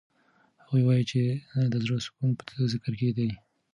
هغوی وایي چې د زړه سکون په ذکر کې دی.